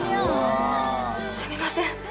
すみません。